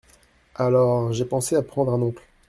Alors, j’ai pensé à prendre un oncle…